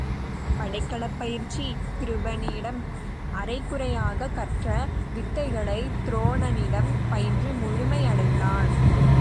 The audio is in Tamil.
படைக்கலப்பயிற்சி கிருபனிடம் அரை குறையாகக் கற்ற வித்தைகளைத் துரோணனிடம் பயின்று முழுமை அடைந்தனர்.